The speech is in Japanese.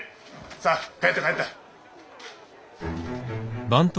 さあ帰った帰った。